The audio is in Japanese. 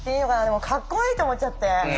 でもかっこいいと思っちゃって。